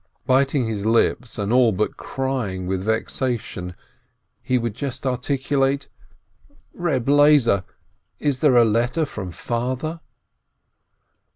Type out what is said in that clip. Biting his lips, and all but crying with vexation, he would just articulate : "Reb Lezer, is there a letter from father?"